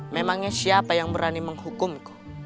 memangnya siapa yang berani menghukumku